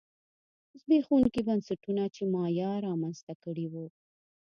زبېښونکي بنسټونه چې مایا رامنځته کړي وو